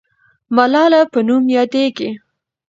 ملاله په نوم یادېږي.